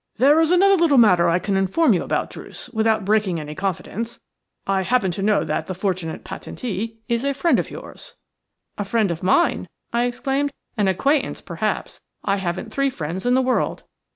"There is another little matter I can inform you about, Druce, without breaking any confidence. I happen to know that the fortunate patentee is a friend of yours." "A friend of mine?" I exclaimed. "An acquaintance, perhaps. I haven't three friends in the world."